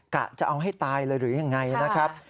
กะจะเอาให้ตายเลยหรือยังไงนะครับ